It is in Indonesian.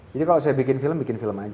jadi kalau saya bikin film bikin film aja